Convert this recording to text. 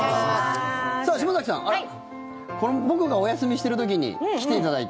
島崎さん僕がお休みしている時に来ていただいて。